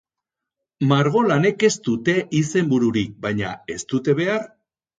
Margolanek ez dute izenbururik, baina ez dute behar.